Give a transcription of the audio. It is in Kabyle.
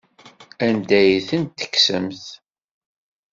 Anda ay tent-tekksemt?